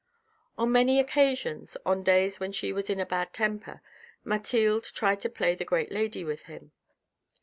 " On many occasions, on days when she was in a bad temper Mathilde, tried to play the great lady with him.